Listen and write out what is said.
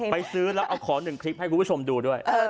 ซื้อแล้วเอาขอ๑คลิปให้คุณผู้ชมดูด้วย